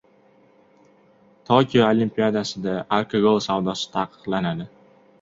Tokio Olimpiadasida alkogol savdosi ta’qiqlanadi